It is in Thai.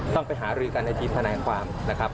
ต้องไปหารือกันในทีมทนายความนะครับ